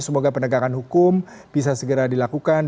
semoga penegakan hukum bisa segera dilakukan